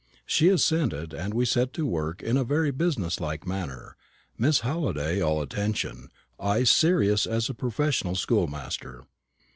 She assented, and we set to work in a very business like manner, Miss Halliday all attention, I serious as a professional schoolmaster.